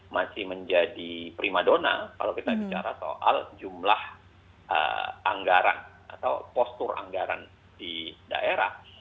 masih menjadi prima dona kalau kita bicara soal jumlah anggaran atau postur anggaran di daerah